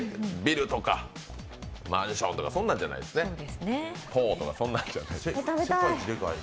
ビルとかマンションとか、そんなんじゃないですね。